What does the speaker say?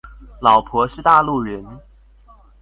老婆是大陸人